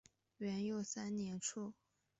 元佑三年卒。